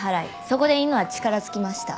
そこで犬は力尽きました。